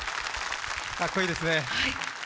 かっこいいですね。